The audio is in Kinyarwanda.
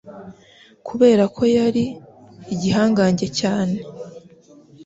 kubera ko yari igihangange cyane